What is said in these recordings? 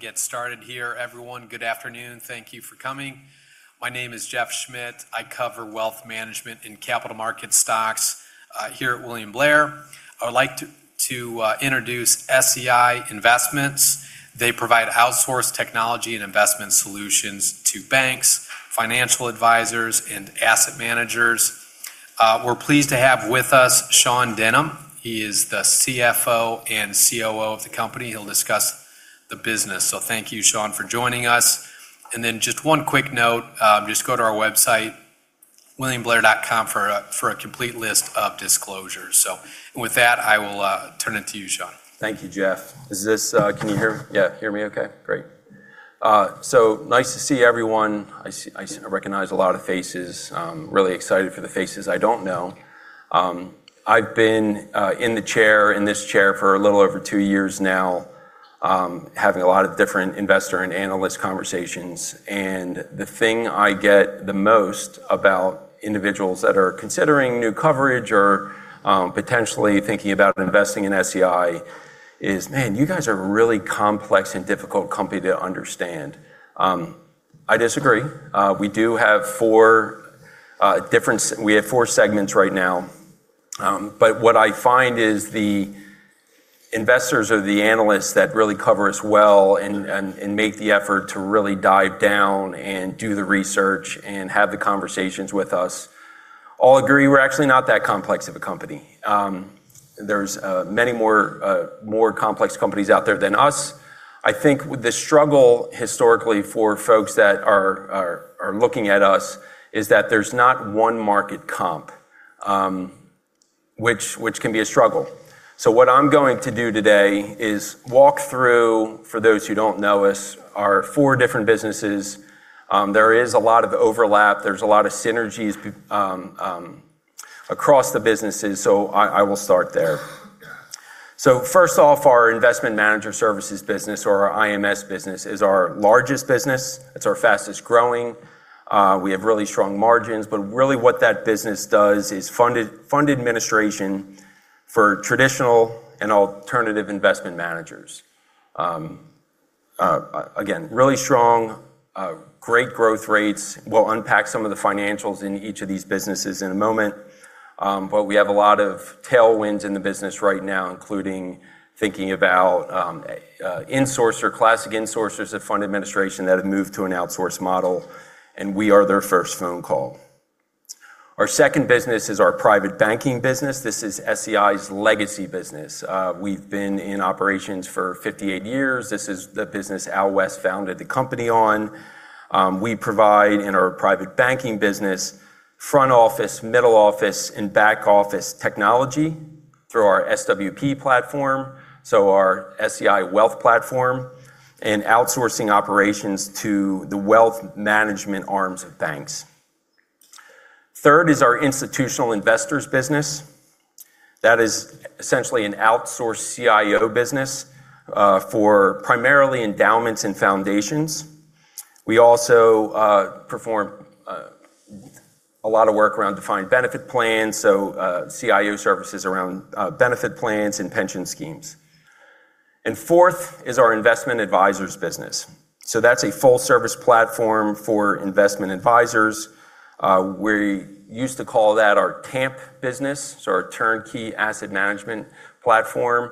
Get started here, everyone. Good afternoon. Thank you for coming. My name is Jeff Schmitt. I cover wealth management and capital market stocks here at William Blair. I would like to introduce SEI Investments. They provide outsourced technology and investment solutions to banks, financial advisors, and asset managers. We're pleased to have with us Sean Denham. He is the CFO and COO of the company. He'll discuss the business. Thank you, Sean, for joining us. Just one quick note, just go to our website, williamblair.com, for a complete list of disclosures. With that, I will turn it to you, Sean. Thank you, Jeff. Can you hear me okay? Great. Nice to see everyone. I recognize a lot of faces. I'm really excited for the faces I don't know. I've been in this chair for a little over two years now, having a lot of different investor and analyst conversations. The thing I get the most about individuals that are considering new coverage or potentially thinking about investing in SEI is, "Man, you guys are a really complex and difficult company to understand." I disagree. We do have four segments right now. What I find is the investors or the analysts that really cover us well and make the effort to really dive down and do the research and have the conversations with us all agree we're actually not that complex of a company. There's many more complex companies out there than us. I think the struggle historically for folks that are looking at us is that there's not one market comp, which can be a struggle. What I'm going to do today is walk through, for those who don't know us, our four different businesses. There is a lot of overlap, there's a lot of synergies across the businesses, so I will start there. First off, our Investment Manager Services business or our IMS business is our largest business. It's our fastest-growing. We have really strong margins, but really what that business does is fund administration for traditional and alternative investment managers. Again, really strong, great growth rates. We'll unpack some of the financials in each of these businesses in a moment. We have a lot of tailwinds in the business right now, including thinking about insourcer, classic insourcers of fund administration that have moved to an outsource model, and we are their first phone call. Our second business is our private banking business. This is SEI's legacy business. We've been in operations for 58 years. This is the business Al West founded the company on. We provide, in our private banking business, front office, middle office, and back office technology through our SWP platform, so our SEI Wealth Platform, and outsourcing operations to the wealth management arms of banks. Third is our institutional investors business. That is essentially an outsourced CIO business for primarily endowments and foundations. We also perform a lot of work around defined benefit plans, so CIO services around benefit plans and pension schemes. Fourth is our investment advisors business. That's a full-service platform for investment advisors. We used to call that our TAMP business, so our turnkey asset management platform.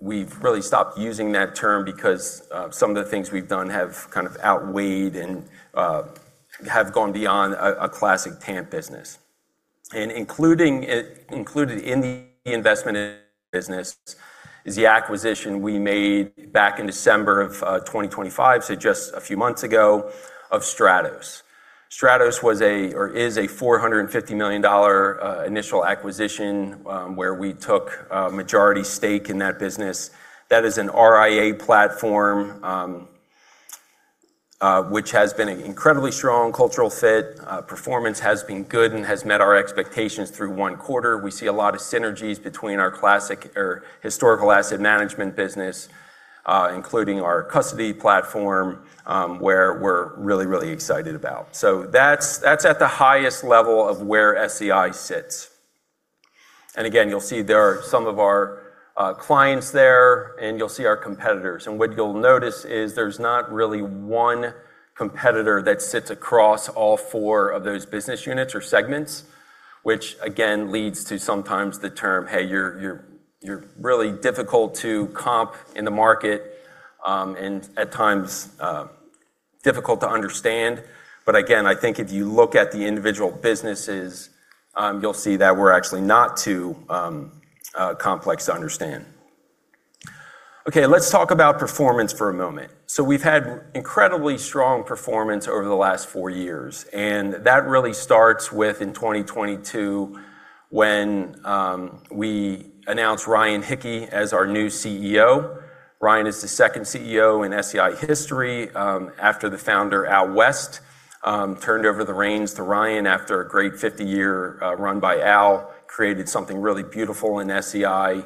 We've really stopped using that term because some of the things we've done have kind of outweighed and have gone beyond a classic TAMP business. Included in the investment business is the acquisition we made back in December of 2025, so just a few months ago, of Stratos. Stratos is a $450 million initial acquisition where we took a majority stake in that business. That is an RIA platform, which has been an incredibly strong cultural fit. Performance has been good and has met our expectations through one quarter. We see a lot of synergies between our classic or historical asset management business, including our custody platform, where we're really excited about. That's at the highest level of where SEI sits. Again, you'll see there are some of our clients there, and you'll see our competitors. What you'll notice is there's not really one competitor that sits across all four of those business units or segments, which again leads to sometimes the term, "Hey, you're really difficult to comp in the market, and at times difficult to understand." Again, I think if you look at the individual businesses, you'll see that we're actually not too complex to understand. Okay. Let's talk about performance for a moment. We've had incredibly strong performance over the last four years, and that really starts within 2022 when we announced Ryan Hicke as our new CEO. Ryan is the second CEO in SEI history, after the founder, Al West, turned over the reins to Ryan after a great 50-year run by Al, created something really beautiful in SEI.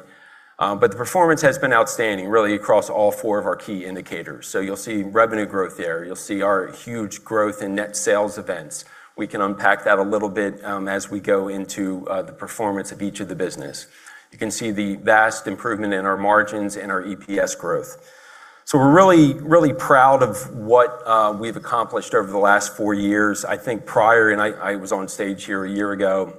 The performance has been outstanding, really across all four of our key indicators. You'll see revenue growth there, you'll see our huge growth in net sales events. We can unpack that a little bit as we go into the performance of each of the business. You can see the vast improvement in our margins and our EPS growth. We're really, really proud of what we've accomplished over the last four years. I think prior, and I was on stage here a year ago,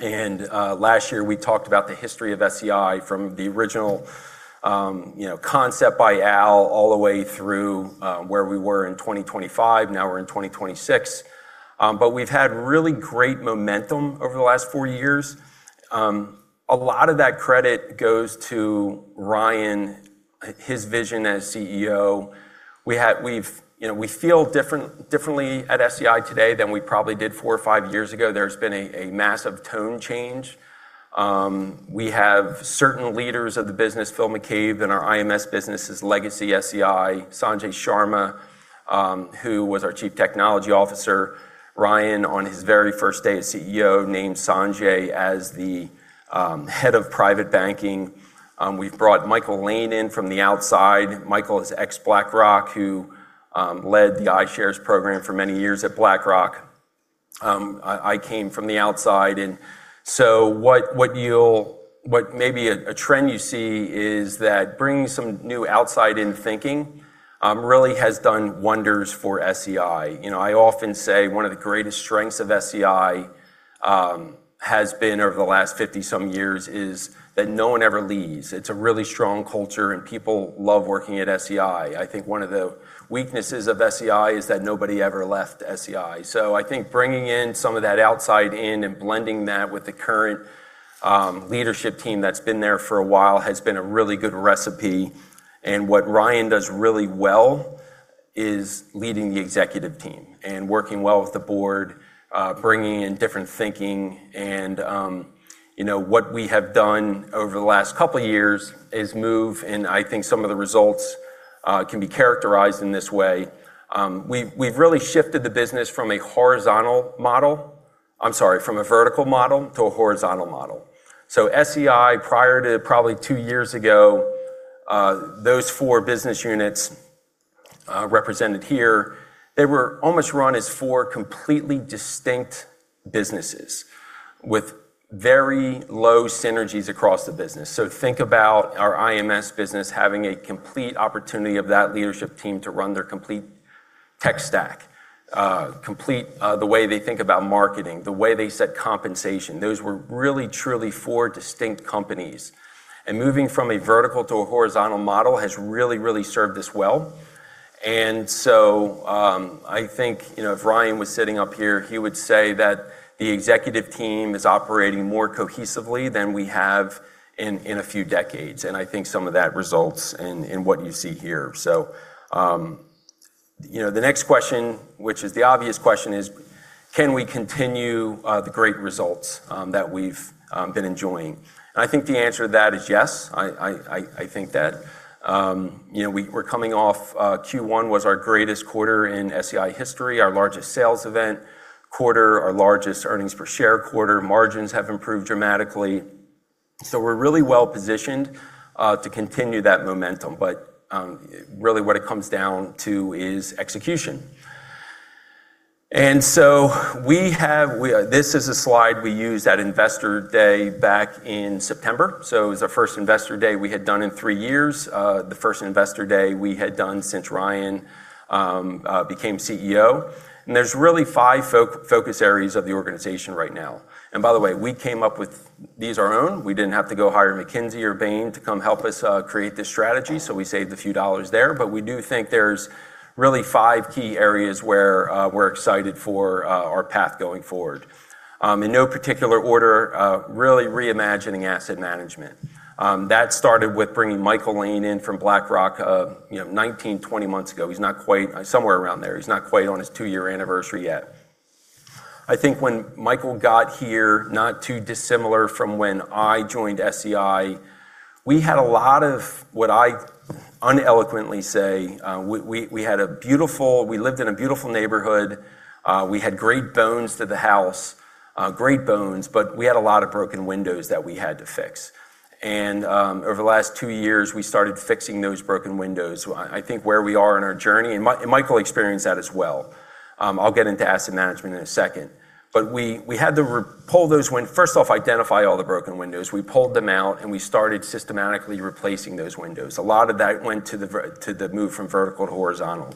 and last year, we talked about the history of SEI from the original concept by Al, all the way through where we were in 2025. Now we're in 2026. We've had really great momentum over the last four years. A lot of that credit goes to Ryan, his vision as CEO. We feel differently at SEI today than we probably did four or five years ago. There's been a massive tone change. We have certain leaders of the business, Phil McCabe in our IMS business' legacy SEI. Sanjay Sharma, who was our chief technology officer. Ryan, on his very first day as CEO, named Sanjay as the head of private banking. We've brought Michael Lane in from the outside. Michael is ex-BlackRock, who led the iShares program for many years at BlackRock. I came from the outside. Maybe a trend you see is that bringing some new outside in thinking really has done wonders for SEI. I often say one of the greatest strengths of SEI has been over the last 50-some years is that no one ever leaves. It's a really strong culture, and people love working at SEI. I think one of the weaknesses of SEI is that nobody ever left SEI. I think bringing in some of that outside in and blending that with the current leadership team that's been there for a while has been a really good recipe. What Ryan does really well is leading the executive team and working well with the board, bringing in different thinking. What we have done over the last couple of years is move, and I think some of the results can be characterized in this way. We've really shifted the business from a vertical model to a horizontal model. SEI, prior to probably two years ago, those four business units represented here, they were almost run as four completely distinct businesses with very low synergies across the business. Think about our IMS business having a complete opportunity of that leadership team to run their complete tech stack, complete the way they think about marketing, the way they set compensation. Those were really, truly four distinct companies. Moving from a vertical to a horizontal model has really, really served us well. I think, if Ryan was sitting up here, he would say that the executive team is operating more cohesively than we have in a few decades. I think some of that results in what you see here. The next question, which is the obvious question, is can we continue the great results that we've been enjoying? I think the answer to that is yes. I think that we're coming off Q1 was our greatest quarter in SEI history, our largest sales event quarter, our largest earnings per share quarter. Margins have improved dramatically. We're really well-positioned to continue that momentum. Really what it comes down to is execution. This is a slide we used at Investor Day back in September. It was the first Investor Day we had done in three years, the first Investor Day we had done since Ryan became CEO. There's really five focus areas of the organization right now. By the way, we came up with these our own. We didn't have to go hire McKinsey or Bain to come help us create this strategy, so we saved a few dollars there. We do think there's really five key areas where we're excited for our path going forward. In no particular order, really reimagining asset management. That started with bringing Michael Lane in from BlackRock 19, 20 months ago, somewhere around there. He's not quite on his two-year anniversary yet. I think when Michael got here, not too dissimilar from when I joined SEI, we had a lot of what I uneloquently say, we lived in a beautiful neighborhood. We had great bones to the house. Great bones, but we had a lot of broken windows that we had to fix. Over the last two years, we started fixing those broken windows. I think where we are in our journey, and Michael experienced that as well. I'll get into asset management in a second. We had to, first off, identify all the broken windows. We pulled them out, and we started systematically replacing those windows. A lot of that went to the move from vertical to horizontal.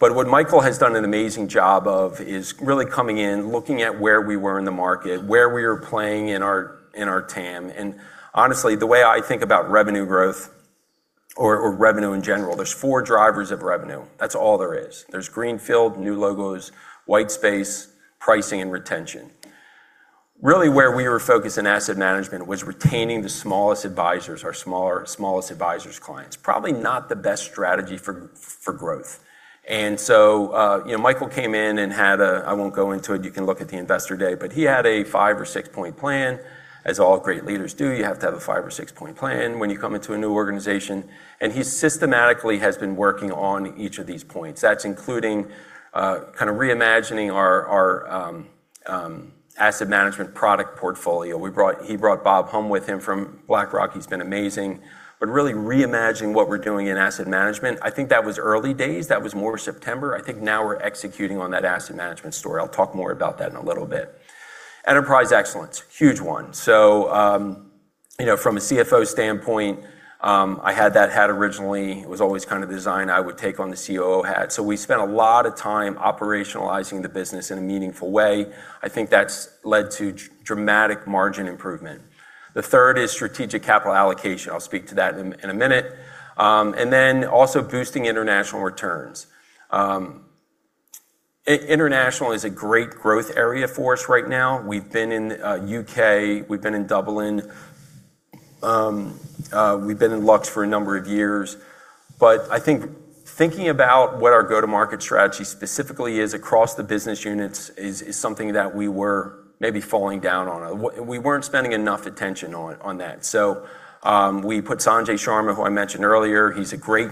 What Michael has done an amazing job of is really coming in, looking at where we were in the market, where we are playing in our TAM, and honestly, the way I think about revenue growth or revenue in general, there's four drivers of revenue. That's all there is. There's greenfield, new logos, white space, pricing, and retention. Really where we were focused in asset management was retaining the smallest advisors, our smallest advisors' clients. Probably not the best strategy for growth. Michael came in and had a, I won't go into it, you can look at the Investor Day, but he had a five- or six-point plan, as all great leaders do. You have to have a five or six-point plan when you come into a new organization, and he systematically has been working on each of these points. That's including reimagining our asset management product portfolio. He brought Bob Hum with him from BlackRock. He's been amazing. Really reimagining what we're doing in asset management. I think that was early days. That was more September. I think now we're executing on that asset management story. I'll talk more about that in a little bit. Enterprise excellence, huge one. From a CFO standpoint, I had that hat originally. It was always kind of the design. I would take on the COO hat. We spent a lot of time operationalizing the business in a meaningful way. I think that's led to dramatic margin improvement. The third is strategic capital allocation. I'll speak to that in a minute. Also boosting international returns. International is a great growth area for us right now. We've been in U.K., we've been in Dublin, we've been in Lux for a number of years. I think thinking about what our go-to-market strategy specifically is across the business units is something that we were maybe falling down on. We weren't spending enough attention on that. We put Sanjay Sharma, who I mentioned earlier. He's a great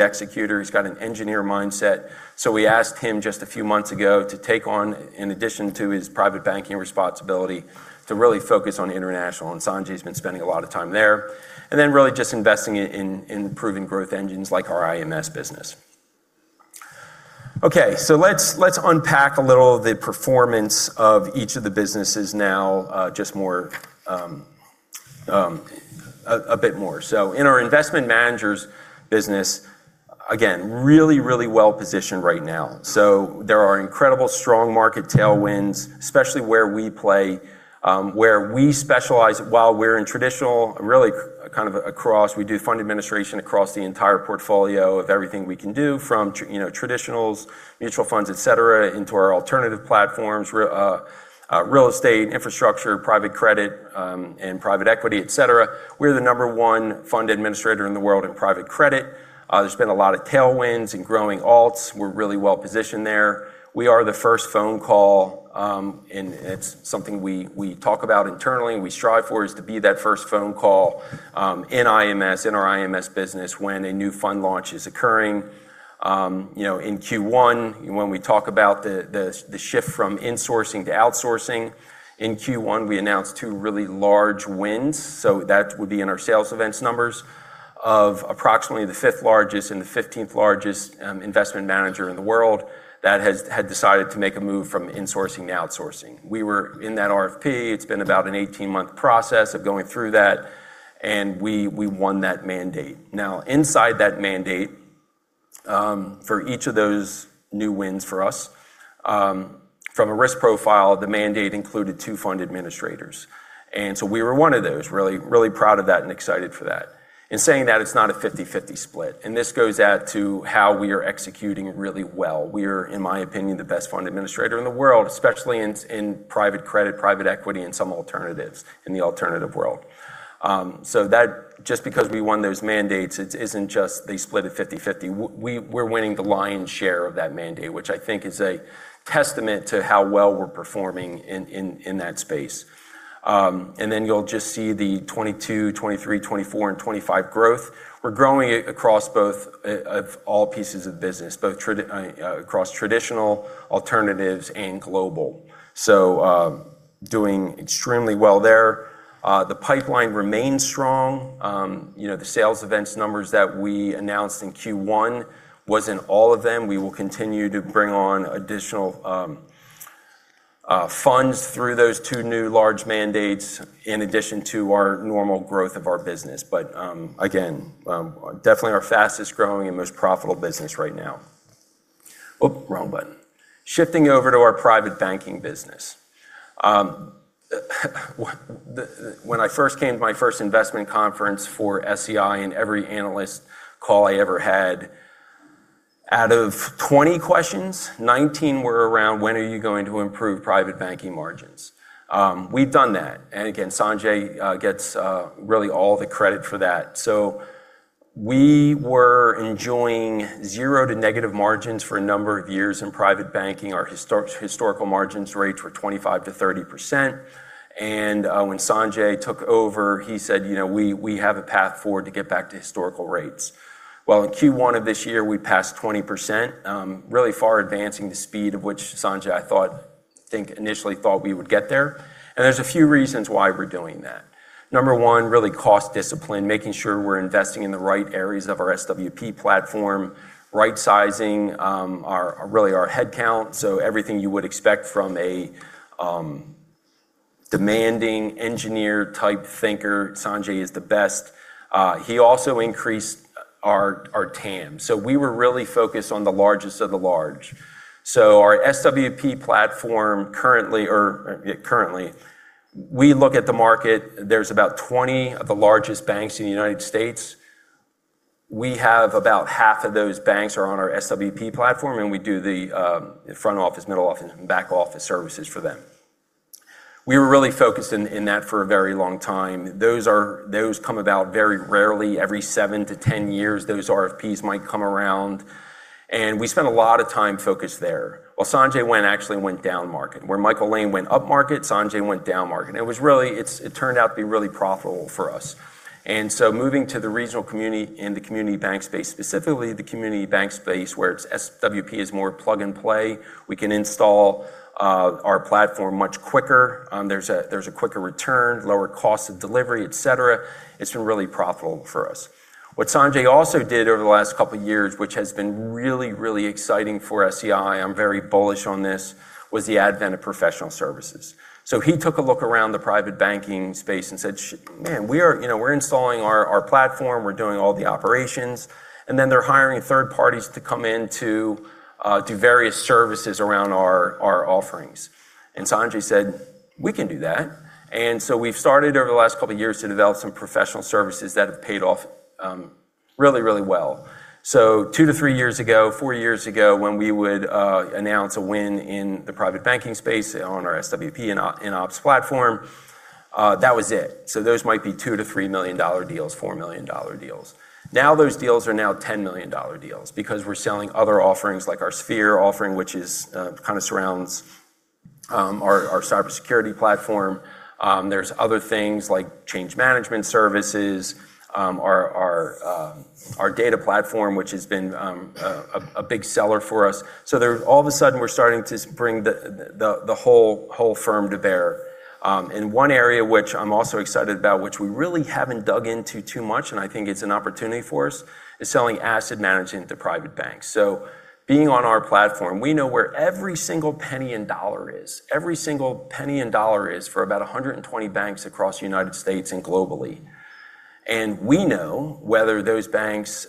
executor. He's got an engineer mindset. We asked him just a few months ago to take on, in addition to his private banking responsibility, to really focus on international. Sanjay's been spending a lot of time there. Really just investing in proven growth engines like our IMS business. Okay. Let's unpack a little of the performance of each of the businesses now a bit more. In our Investment Managers business, again, really well-positioned right now. There are incredible strong market tailwinds, especially where we play, where we specialize while we're in traditional, really, kind of across, we do fund administration across the entire portfolio of everything we can do, from traditionals, mutual funds, et cetera, into our alternative platforms, real estate, infrastructure, private credit, and private equity, etc. We're the number one fund administrator in the world in private credit. There's been a lot of tailwinds and growing alts. We're really well-positioned there. We are the first phone call, and it's something we talk about internally and we strive for, is to be that first phone call in our IMS business when a new fund launch is occurring. In Q1, when we talk about the shift from insourcing to outsourcing, in Q1, we announced two really large wins. That would be in our sales events numbers of approximately the fifth largest and the 15th largest investment manager in the world that had decided to make a move from insourcing to outsourcing. We were in that RFP. It's been about an 18-month process of going through that, and we won that mandate. Inside that mandate, for each of those new wins for us, from a risk profile, the mandate included two fund administrators. We were one of those. Really proud of that and excited for that. In saying that, it's not a 50/50 split. This goes out to how we are executing it really well. We are, in my opinion, the best fund administrator in the world, especially in private credit, private equity, and some alternatives in the alternative world. Just because we won those mandates, it isn't just they split it 50/50. We're winning the lion's share of that mandate, which I think is a testament to how well we're performing in that space. You'll just see the 2022, 2023, 2024, and 2025 growth. We're growing it across all pieces of business, across traditional alternatives and global. Doing extremely well there. The pipeline remains strong. The sales events numbers that we announced in Q1 was in all of them. We will continue to bring on additional funds through those two new large mandates in addition to our normal growth of our business. Again, definitely our fastest-growing and most profitable business right now. Oop, wrong button. Shifting over to our Private Banking business. When I first came to my first investment conference for SEI and every analyst call I ever had, out of 20 questions, 19 were around, when are you going to improve Private Banking margins? We've done that. Again, Sanjay gets really all the credit for that. We were enjoying zero to negative margins for a number of years in private banking. Our historical margins rates were 25%-30%. When Sanjay took over, he said, "We have a path forward to get back to historical rates." Well, in Q1 of this year, we passed 20%, really far advancing the speed of which Sanjay I think initially thought we would get there. There's a few reasons why we're doing that. Number one, really cost discipline, making sure we're investing in the right areas of our SWP platform, right-sizing really our head count. Everything you would expect from a demanding engineer-type thinker. Sanjay is the best. He also increased our TAM. We were really focused on the largest of the large. Our SWP platform currently, we look at the market, there's about 20 of the largest banks in the U.S. We have about half of those banks are on our SWP platform, and we do the front office, middle office, and back office services for them. We were really focused in that for a very long time. Those come about very rarely. Every 7-10 years, those RFPs might come around. We spent a lot of time focused there. Well, Sanjay actually went down market. Where Michael Lane went up market, Sanjay went down market. It turned out to be really profitable for us. Moving to the regional community and the community bank space, specifically the community bank space where SWP is more plug and play, we can install our platform much quicker. There's a quicker return, lower cost of delivery, et cetera. It's been really profitable for us. What Sanjay also did over the last couple of years, which has been really exciting for SEI, I'm very bullish on this, was the advent of professional services. He took a look around the private banking space and said, "Man, we're installing our platform. We're doing all the operations." They're hiring third parties to come in to do various services around our offerings. Sanjay said, "We can do that." We've started over the last couple of years to develop some professional services that have paid off really, really well. Two to three years ago, four years ago, when we would announce a win in the private banking space on our SWP and Ops platform, that was it. Those might be $2 million-$3 million deals, $4 million deals. Those deals are now $10 million deals because we're selling other offerings like our Sphere offering, which kind of surrounds our cybersecurity platform. There's other things like change management services, our data platform, which has been a big seller for us. All of a sudden we're starting to bring the whole firm to bear. One area which I'm also excited about, which we really haven't dug into too much, and I think it's an opportunity for us, is selling asset management to private banks. Being on our platform, we know where every single penny and dollar is. Every single penny and dollar is for about 120 banks across the U.S. and globally. We know whether those banks,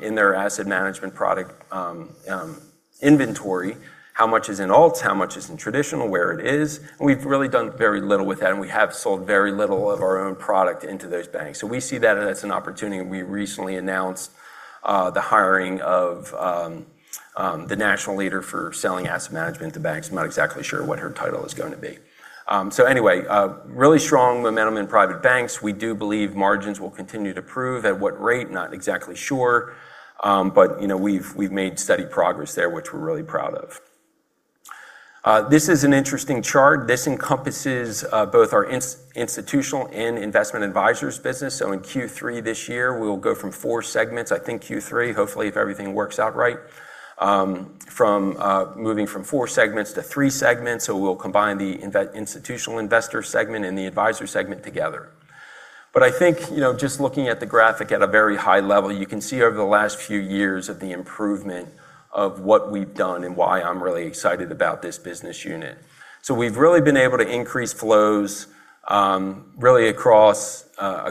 in their asset management product inventory, how much is in alts, how much is in traditional, where it is, and we've really done very little with that, and we have sold very little of our own product into those banks. We see that as an opportunity, and we recently announced the hiring of the national leader for selling asset management to banks. I'm not exactly sure what her title is going to be. Anyway, really strong momentum in private banks. We do believe margins will continue to improve. At what rate, not exactly sure. We've made steady progress there, which we're really proud of. This is an interesting chart. This encompasses both our institutional and investment advisors business. In Q3 this year, we'll go from four segments, I think Q3, hopefully if everything works out right, moving from four segments to three segments. We'll combine the Institutional Investor segment and the Advisor segment together. I think, just looking at the graphic at a very high level, you can see over the last few years of the improvement of what we've done and why I'm really excited about this business unit. We've really been able to increase flows, really across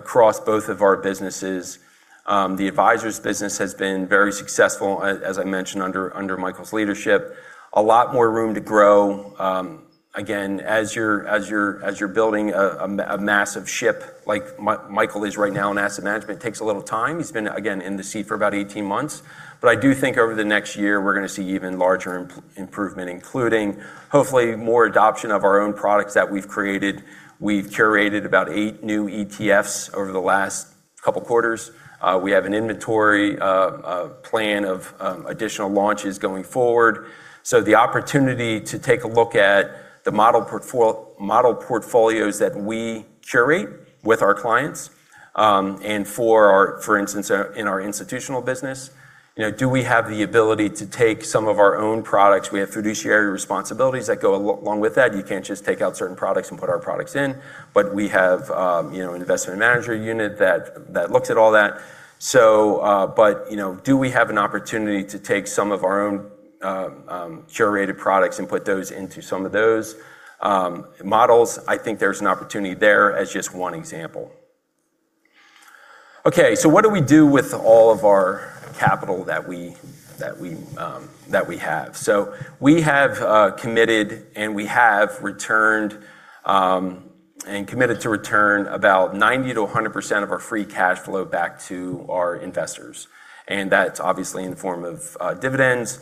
both of our businesses. The Advisor business has been very successful, as I mentioned, under Michael's leadership. A lot more room to grow. Again, as you're building a massive ship, like Michael is right now in Asset Management, takes a little time. He's been, again, in the seat for about 18 months. I do think over the next year, we're going to see even larger improvement, including hopefully more adoption of our own products that we've created. We've curated about eight new ETFs over the last couple of quarters. We have an inventory plan of additional launches going forward. The opportunity to take a look at the model portfolios that we curate with our clients, and for instance, in our institutional business. Do we have the ability to take some of our own products? We have fiduciary responsibilities that go along with that. You can't just take out certain products and put our products in. We have an investment manager unit that looks at all that. Do we have an opportunity to take some of our own curated products and put those into some of those models? I think there's an opportunity there as just one example. Okay. What do we do with all of our capital that we have? We have committed and we have returned, and committed to return about 90%-100% of our free cash flow back to our investors, and that's obviously in the form of dividends.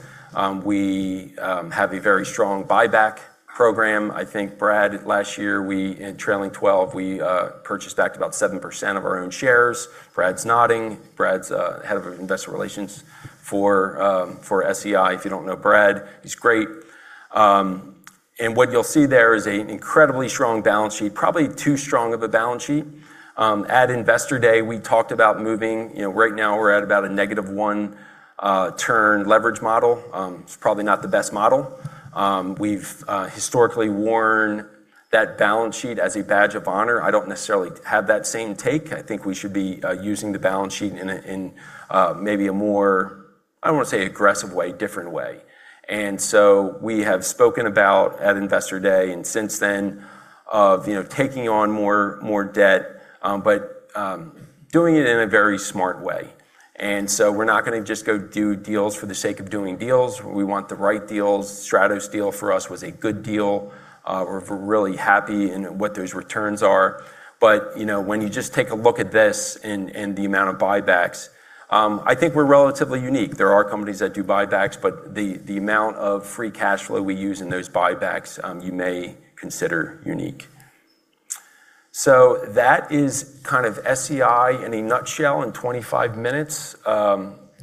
We have a very strong buyback program. I think Brad, last year, in trailing 12, we purchased back about 7% of our own shares. Brad's nodding. Brad's head of investor relations for SEI. If you don't know Brad, he's great. What you'll see there is an incredibly strong balance sheet, probably too strong of a balance sheet. At Investor Day, we talked about moving, right now we're at about a negative one turn leverage model. It's probably not the best model. We've historically worn that balance sheet as a badge of honor. I don't necessarily have that same take. I think we should be using the balance sheet in maybe a more, I don't want to say aggressive way, different way. We have spoken about, at Investor Day and since then, of taking on more debt, but doing it in a very smart way. We're not going to just go do deals for the sake of doing deals. We want the right deals. Stratos deal for us was a good deal. We're really happy in what those returns are. When you just take a look at this and the amount of buybacks, I think we're relatively unique. There are companies that do buybacks, but the amount of free cash flow we use in those buybacks, you may consider unique. That is kind of SEI in a nutshell in 25 minutes.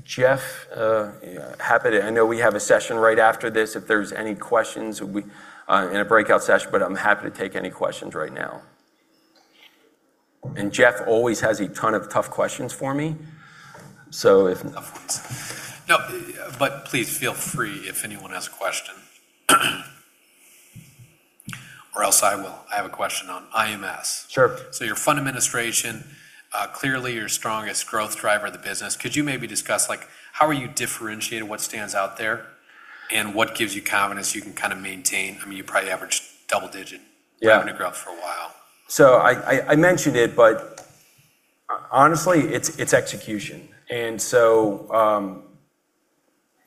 Jeff, I know we have a session right after this, if there's any questions in a breakout session, but I'm happy to take any questions right now. Jeff always has a ton of tough questions for me. No, please feel free if anyone has a question, or else I will. I have a question on IMS. Sure. Your fund administration, clearly your strongest growth driver of the business. Could you maybe discuss how are you differentiated? What stands out there? What gives you confidence you can maintain, I mean, you probably average double digit- Yeah revenue growth for a while. I mentioned it, but honestly, it's execution.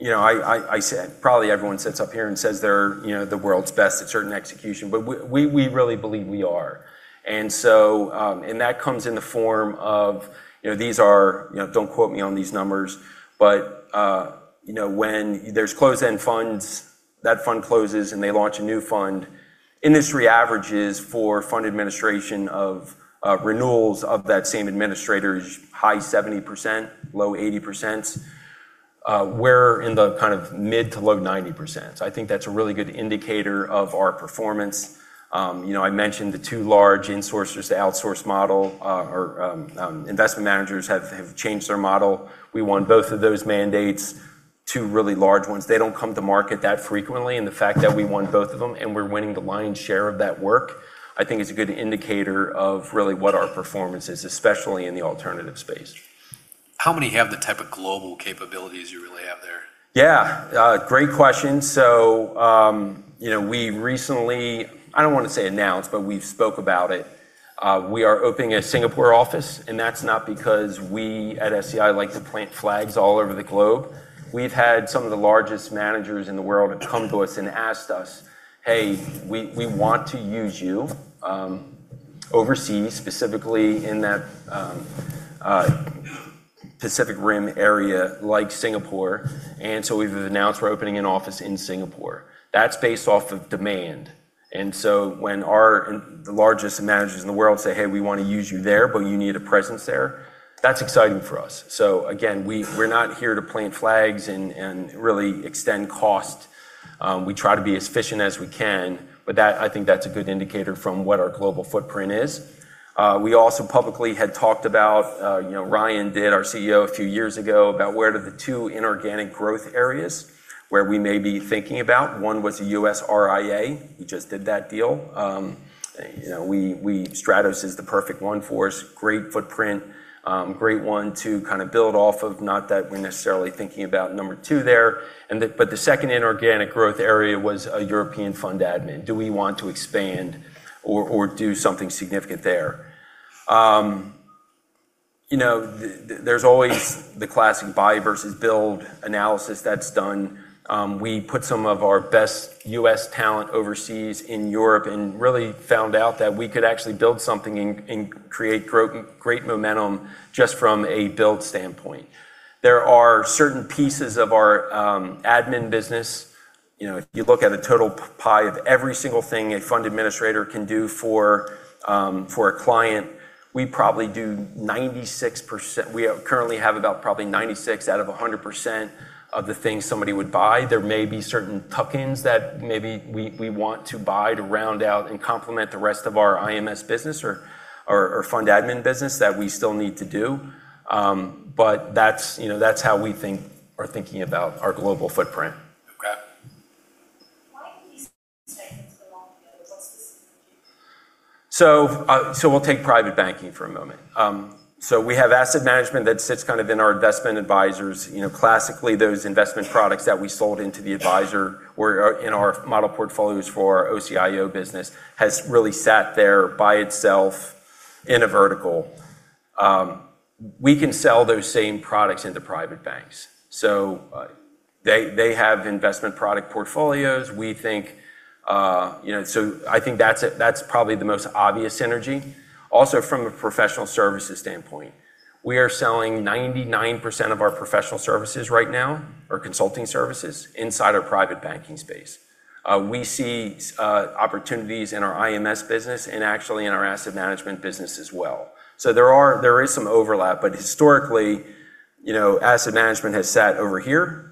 I said probably everyone sits up here and says they're the world's best at certain execution, but we really believe we are. That comes in the form of, don't quote me on these numbers, but when there's closed-end funds, that fund closes, and they launch a new fund. Industry averages for fund administration of renewals of that same administrator is high 70%, low 80%. We're in the mid to low 90%. I think that's a really good indicator of our performance. I mentioned the two large insourcers to outsource model, or investment managers have changed their model. We won both of those mandates, two really large ones. They don't come to market that frequently. The fact that we won both of them, and we're winning the lion's share of that work, I think is a good indicator of really what our performance is, especially in the alternative space. How many have the type of global capabilities you really have there? Great question. We recently, I don't want to say announced, but we've spoken about it. We are opening a Singapore office. That's not because we at SEI like to plant flags all over the globe. We've had some of the largest managers in the world come to us and asked us, "Hey, we want to use you overseas," specifically in that Pacific Rim area like Singapore. We've announced we're opening an office in Singapore. That's based off of demand. When the largest managers in the world say, "Hey, we want to use you there, but you need a presence there," that's exciting for us. Again, we're not here to plant flags and really extend cost. We try to be as efficient as we can. I think that's a good indicator from what our global footprint is. We also publicly had talked about, Ryan did, our CEO, a few years ago, about where do the two inorganic growth areas where we may be thinking about. One was a U.S. RIA. We just did that deal. Stratos is the perfect one for us. Great footprint. Great one to build off of, not that we're necessarily thinking about number two there. The second inorganic growth area was a European fund admin. Do we want to expand or do something significant there? There's always the classic buy versus build analysis that's done. We put some of our best U.S. talent overseas in Europe and really found out that we could actually build something and create great momentum just from a build standpoint. There are certain pieces of our admin business. If you look at a total pie of every single thing a fund administrator can do for a client, we currently have about probably 96% out of 100% of the things somebody would buy. There may be certain tuck-ins that maybe we want to buy to round out and complement the rest of our IMS business or fund admin business that we still need to do. That's how we are thinking about our global footprint. Okay. Why do these segments belong together? What's the synergy? We'll take private banking for a moment. We have asset management that sits in our investment advisors. Classically, those investment products that we sold into the advisor were in our model portfolios for OCIO business, has really sat there by itself in a vertical. We can sell those same products into private banks. They have investment product portfolios. I think that's probably the most obvious synergy. Also from a professional services standpoint, we are selling 99% of our professional services right now, or consulting services, inside our private banking space. We see opportunities in our IMS business and actually in our Asset Management business as well. There is some overlap, but historically, Asset Management has sat over here.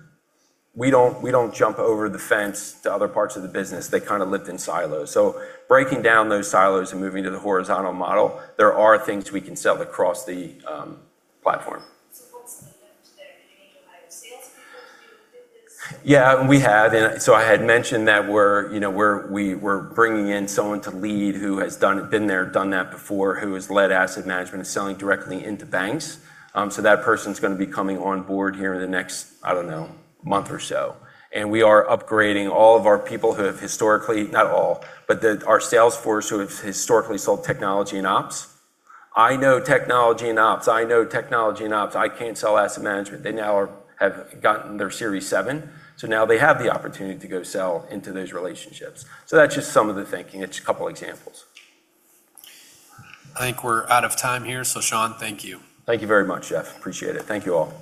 We don't jump over the fence to other parts of the business. They lived in silos. Breaking down those silos and moving to the horizontal model, there are things we can sell across the platform. What's the image there? Do you need to hire salespeople to fit this? Yeah, we have. I had mentioned that we're bringing in someone to lead who has been there, done that before, who has led asset management and selling directly into banks. That person's going to be coming on board here in the next, I don't know, month or so. We are upgrading all of our people who have historically, not all, but our sales force who have historically sold technology and ops. I know technology and ops. I can't sell asset management. They now have gotten their Series 7. Now they have the opportunity to go sell into those relationships. That's just some of the thinking. It's a couple examples. I think we're out of time here. Sean, thank you. Thank you very much, Jeff. Appreciate it. Thank you all.